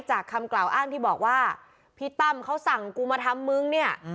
คำกล่าวอ้างที่บอกว่าพี่ตั้มเขาสั่งกูมาทำมึงเนี่ย